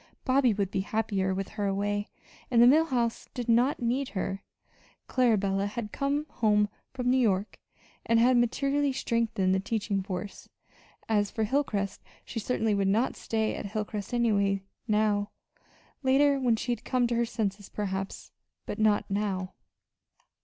Bobby would be happier with her away, and the Mill House did not need her Clarabella had come from New York, and had materially strengthened the teaching force. As for Hilcrest she certainly would not stay at Hilcrest anyway now. Later, when she had come to her senses, perhaps but not now.